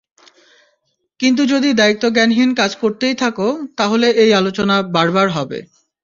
কিন্তু যদি দায়িত্বজ্ঞানহীন কাজ করতেই থাকো, তাহলে এই আলোচনা বারবার হবে।